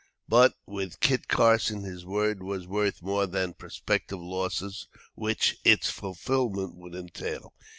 But with Kit Carson, his word was worth more than prospective losses which its fulfillment would entail.